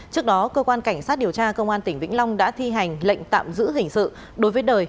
trước đó cơ quan cảnh sát điều tra công an tỉnh vĩnh long đã thi hành lệnh tạm giữ hình sự đối với đời